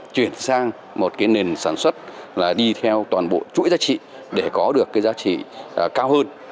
chuyển sang một nền sản xuất đi theo toàn bộ chuỗi giá trị để có được giá trị cao hơn